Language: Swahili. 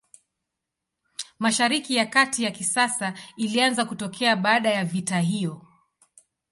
Mashariki ya Kati ya kisasa ilianza kutokea baada ya vita hiyo.